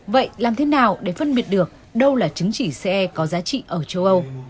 vậy làm thế nào để phân biệt được đâu là chứng chỉ ce có giá trị ở châu âu